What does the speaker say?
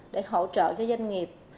để hỗ trợ cho doanh nghiệp